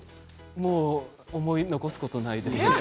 もう思い残すことないです。